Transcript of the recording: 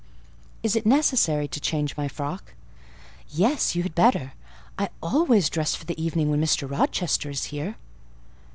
"Is it necessary to change my frock?" "Yes, you had better: I always dress for the evening when Mr. Rochester is here."